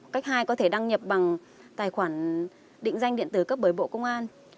cách hai có thể đăng nhập bằng tài khoản định danh điện tử cấp bởi bộ công an